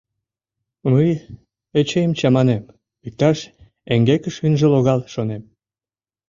Мый Эчейым чаманем, иктаж эҥгекыш ынже логал, шонем.